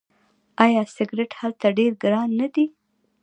آیا سیګرټ هلته ډیر ګران نه دي؟